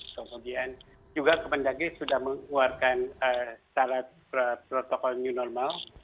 kemudian juga kemendagri sudah mengeluarkan syarat protokol new normal